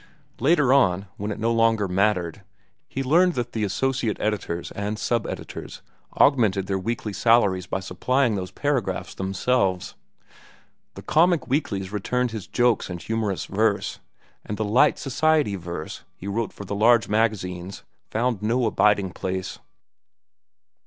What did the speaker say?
Later on, when it no longer mattered, he learned that the associate editors and sub editors augmented their salaries by supplying those paragraphs themselves. The comic weeklies returned his jokes and humorous verse, and the light society verse he wrote for the large magazines found no abiding place.